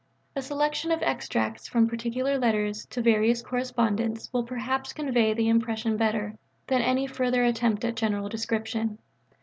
A selection of extracts from particular letters to various correspondents will perhaps convey the impression better than any further attempt at general description.